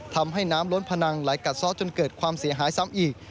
ทำให้น้ำล้นพนังไหลกัดซ้อจนเกิดความเสียหายซ้ำอีก